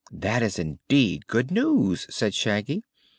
"This is, indeed, good news," said Shaggy.